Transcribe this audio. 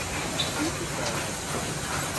Itupeva